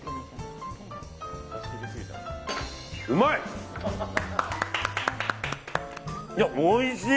うまい！